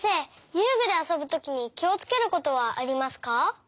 遊具であそぶときにきをつけることはありますか？